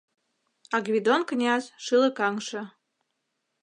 А Гвидон князь, шӱлыкаҥше